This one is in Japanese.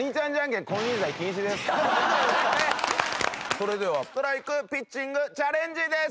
それではストライクピッチングチャレンジです。